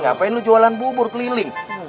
ngapain lu jualan bubur keliling